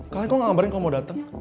kalian kok gak ngabarin kamu mau dateng